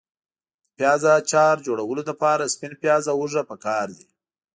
د پیاز اچار جوړولو لپاره سپین پیاز او هوګه پکار دي.